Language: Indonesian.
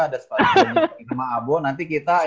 ada separing sama abo nanti kita ya